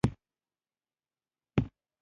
سپي افسرده کېږي.